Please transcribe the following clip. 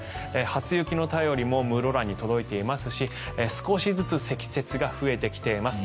初雪の便りも室蘭に届いていますし少しずつ積雪が増えてきています。